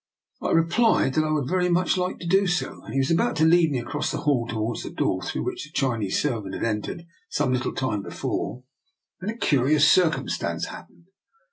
" I replied that I would very much like to do so, and he was about to lead me across the hall towards the door, through which the Chinese servant had entered some little time before, when a curious circumstance hap pened.